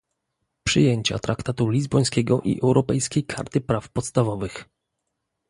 przyjęcia traktatu lizbońskiego i europejskiej karty praw podstawowych